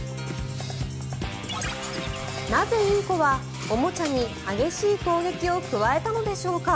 なぜ、インコはおもちゃに激しい攻撃を加えたのでしょうか。